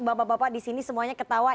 bapak bapak disini semuanya ketawa